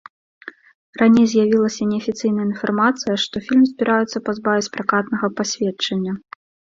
Раней з'явілася неафіцыйная інфармацыя, што фільм збіраюцца пазбавіць пракатнага пасведчання.